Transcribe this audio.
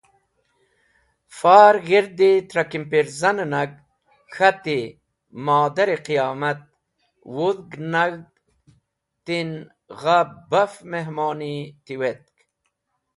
Far g̃hirdi trẽ kimpirzan nag. K̃hati: “Modar-e qiyomat! Wudhg nag̃hd ti’n gha baf mihmoni tiwetk.